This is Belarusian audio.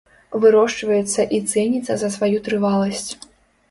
Вырошчваецца і цэніцца за сваю трываласць.